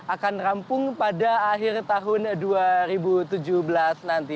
akan rampung pada akhir tahun dua ribu tujuh belas nanti